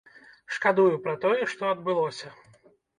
Шкадую пра тое, што адбылося.